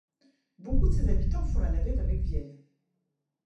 Beaucoup de ses habitants font la navette avec Vienne.